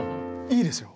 いいですよ。